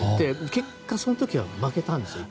結果、その時は負けたんですよ。